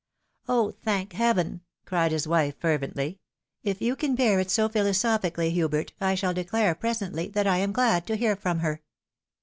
" Oh, thank Heaven !" cried his wife, fervently. "Ifyouoan bear it so philosophically, Hubert, I shall declare presently that I am glad to hear from her."